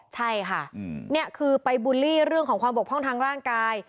ใช่ค่ะนี่คือไปบูลลี่เรื่องของความบกพร่องทางร่างกาย